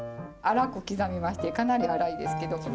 粗く刻みましてかなり粗いですけど。